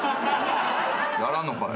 やらんのかい？